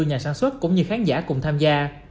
nhà sản xuất cũng như khán giả cùng tham gia